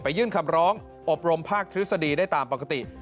ยื่นคำร้องอบรมภาคทฤษฎีได้ตามปกติ